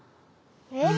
え？